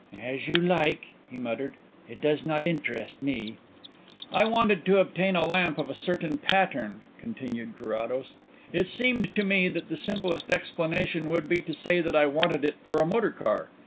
"As you like," he muttered. "It does not interest me." "I wanted to obtain a lamp of a certain pattern," continued Carrados. "It seemed to me that the simplest explanation would be to say that I wanted it for a motor car.